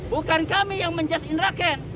bukan kami yang menjaj inraken